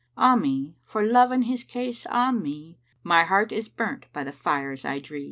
'Ah me, for Love and his case, ah me: My heart is burnt by the fires I dree!'